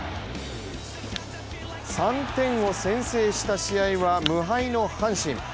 ３点を先制した試合は無敗の阪神。